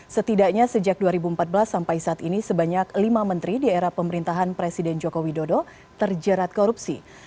setidaknya sejak dua ribu empat belas sampai saat ini sebanyak lima menteri di era pemerintahan presiden joko widodo terjerat korupsi